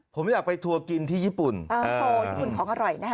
ผมอยากไปทัวกินที่ญี่ปุ่น